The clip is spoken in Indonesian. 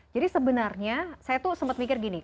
jadi sebenarnya saya tuh sempat mikir gini